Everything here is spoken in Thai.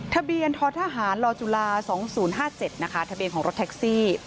ทะเบียนททหารลจุฬา๒๐๕๗นะคะทะเบียนของรถแท็กซี่